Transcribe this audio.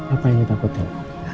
apa yang ditakutin